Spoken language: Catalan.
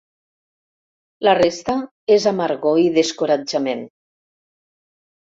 La resta és amargor i descoratjament.